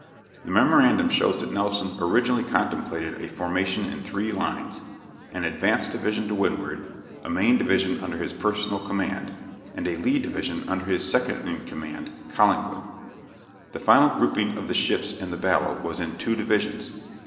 The memorandum shows that Nelson originally contemplated a formation in three lines, an advanced division to windward, a main division under his personal command, and a lee division under his second in command, Collingwood. The final grouping of the ships in the battle was in two divisions.